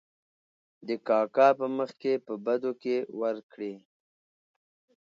د کاکا په مخکې په بدو کې ور کړې .